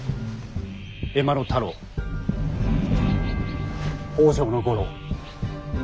江間太郎北条五郎。